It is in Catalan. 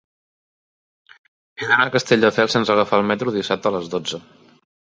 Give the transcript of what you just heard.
He d'anar a Castelldefels sense agafar el metro dissabte a les dotze.